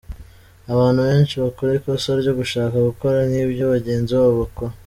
Abantu benshi bakora ikosa ryo gushaka gukora nk’ibyo bagenzi babo bakora.